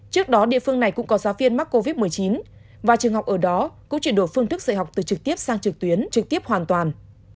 trước đó địa phương này cũng có giáo viên mắc covid một mươi chín và trường học ở đó cũng chuyển đổi phương thức dạy học từ trực tiếp sang trực tuyến trực tiếp hoàn toàn